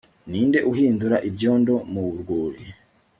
Ninde uhindura ibyondo mu rwuri